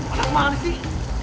anak malam sih